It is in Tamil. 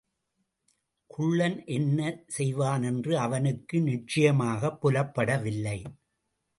குள்ளன் என்ன செய்வானென்று அவனுக்கு நிச்சயமாகப் புலப்படவில்லை.